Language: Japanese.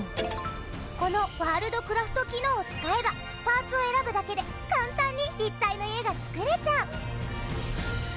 このワールドクラフト機能を使えばパーツを選ぶだけで簡単に立体の家が作れちゃう。